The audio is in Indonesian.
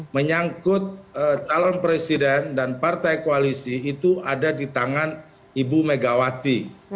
menyangkut calon presiden dan partai koalisi itu ada di tangan ibu megawati